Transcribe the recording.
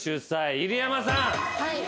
入山さん？